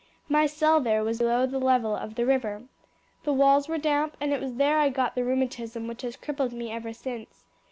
My cell there was below the level of the river. The walls were damp, and it was there I got the rheumatism which has crippled me ever since.